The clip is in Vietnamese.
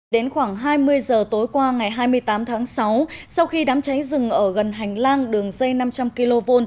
đến khoảng hai mươi giờ tối qua ngày hai mươi tám tháng sáu sau khi đám cháy rừng ở gần hành lang đường dây năm trăm linh kv